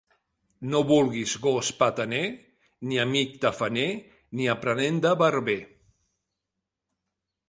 No vulguis gos petaner, ni amic tafaner, ni aprenent de barber.